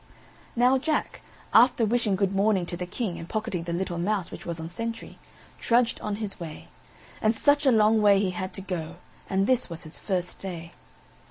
Now Jack, after wishing good morning to the King and pocketing the little mouse which was on sentry, trudged on his way; and such a long way he had to go and this was his first day.